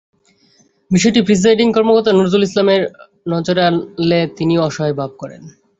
বিষয়টি প্রিসাইডিং কর্মকর্তা নজরুল ইসলামের নজরে আনলে তিনিও অসহায় ভাব করেন।